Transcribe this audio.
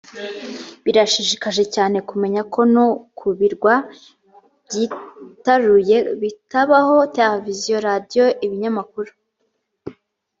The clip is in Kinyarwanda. birashishikaje cyane kumenya ko no ku birwa byitaruye bitabaho televiziyo radiyo ibinyamakuru